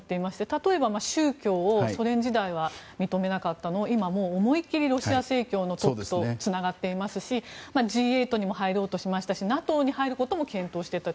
例えば、宗教をソ連時代は認めなかったのを今は思い切りロシア正教のトップとつながっていますしＧ８にも入ろうとしましたしＮＡＴＯに入ることも検討していた。